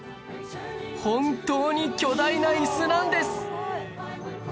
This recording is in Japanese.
本当に巨大な椅子なんです！